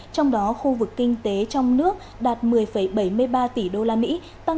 trong đó khu vực kinh tế trong nước đạt một mươi bảy mươi ba tỷ đô la mỹ tăng một mươi bốn ba